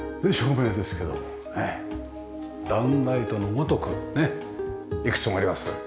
ダウンライトのごとくねっいくつもあります。